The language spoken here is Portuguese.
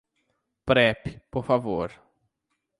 Prep, por favor.